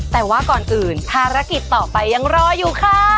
แต่ว่าก่อนอื่นภารกิจต่อไปยังรออยู่ค่ะ